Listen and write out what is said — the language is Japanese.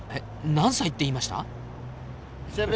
何歳って言いました？